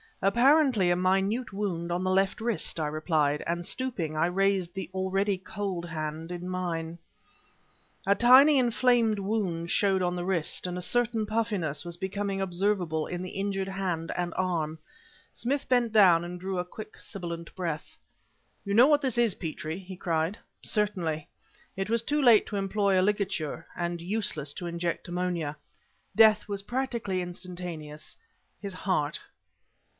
"Apparently, a minute wound on the left wrist," I replied, and, stooping, I raised the already cold hand in mine. A tiny, inflamed wound showed on the wrist; and a certain puffiness was becoming observable in the injured hand and arm. Smith bent down and drew a quick, sibilant breath. "You know what this is, Petrie?" he cried. "Certainly. It was too late to employ a ligature and useless to inject ammonia. Death was practically instantaneous. His heart..."